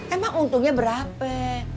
emang untungnya berapa